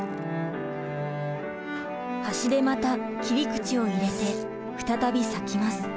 端でまた切り口を入れて再び裂きます。